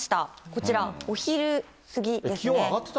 こちらお昼過ぎですね。